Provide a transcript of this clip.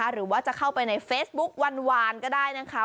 หรือว่าจะเข้าไปในเฟซบุ๊กวานก็ได้นะคะ